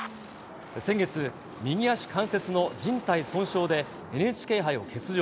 先月、右足関節のじん帯損傷でＮＨＫ杯を欠場。